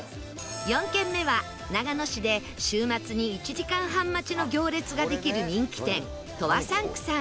４軒目は長野市で週末に１時間半待ちの行列ができる人気店 ＴＲＯＩＳＣＩＮＱ さん